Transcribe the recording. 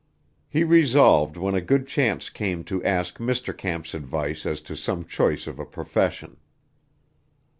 He resolved when a good chance came to ask Mr. Camp's advice as to some choice of a profession.